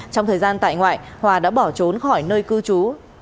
trong thời gian tại ngoại hòa đã bỏ trốn khỏi nơi cư trú